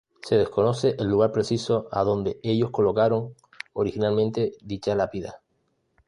Se desconoce el lugar preciso adonde ellos colocaron originalmente dicha lápida.